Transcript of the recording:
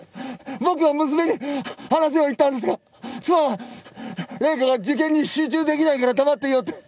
僕は娘に話すよう言ったんですが妻は零花が受験に集中できないから黙っていようって。